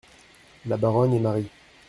La Baronne et Marie.